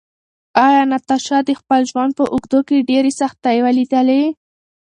ایا ناتاشا د خپل ژوند په اوږدو کې ډېرې سختۍ ولیدلې؟